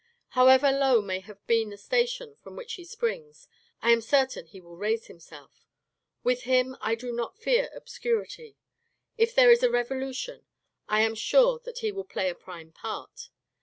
However low may have been the station from which he springs, I am certain he will raise himself. With him I do not fear obscurity. If there is a revolution, I am sure that he will play a prime part.